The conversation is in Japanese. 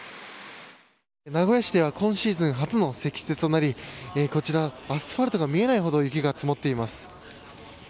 名古屋市では今シーズン初の積雪となり、こちら、アスファルトが見えないほど雪が積もっています。